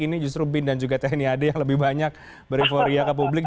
ini justru bin dan juga tni ad yang lebih banyak beriforia ke publik